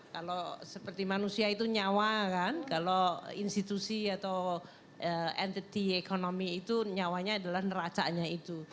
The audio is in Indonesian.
kalau seperti manusia itu nyawa kan kalau institusi atau entity ekonomi itu nyawanya adalah neracanya itu